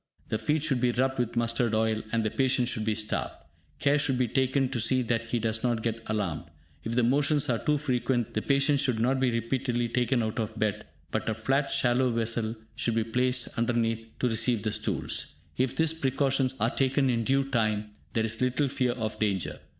The feet should be rubbed with mustard oil, and the patient should be starved. Care should be taken to see that he does not get alarmed. If the motions are too frequent, the patient should not be repeatedly taken out of bed, but a flat shallow vessel should be placed underneath to receive the stools. If these precautions are taken in due time, there is little fear of danger.